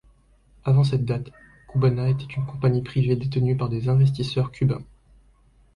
Avant cette date, Cubana était une compagnie privée détenue par des investisseurs cubains.